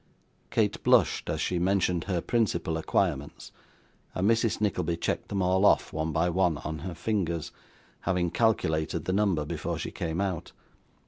Kate blushed as she mentioned her principal acquirements, and Mrs Nickleby checked them all off, one by one, on her fingers; having calculated the number before she came out.